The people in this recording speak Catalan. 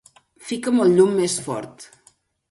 Fica'm el llum més fort.